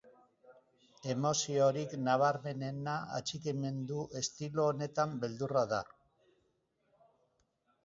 Emoziorik nabarmenena atxikimendu estilo honetan beldurra da.